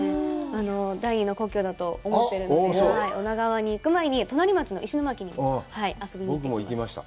第二の故郷だと思っているので、女川に行く前に隣町の石巻に遊びに行きました。